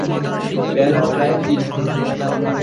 বেলা প্রায় তিনটে।